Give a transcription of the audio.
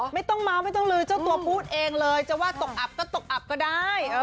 ไม่ต้องเมาส์ไม่ต้องลือเจ้าตัวพูดเองเลยจะว่าตกอับก็ตกอับก็ได้